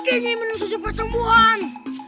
kita mau ke tempat yang lebih baik